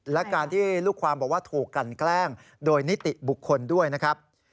และการที่ลูกความบอกว่าถูกกันแกล้งโดยนิติบุคคลด้วยนะครับ